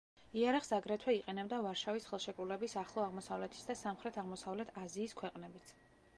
იარაღს აგრეთვე იყენებდა ვარშავის ხელშეკრულების, ახლო აღმოსავლეთის და სამხრეთ-აღმოსავლეთ აზიის ქვეყნებიც.